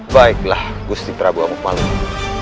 baiklah gusti prabu amuk maluku